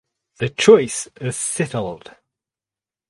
The choice is settled.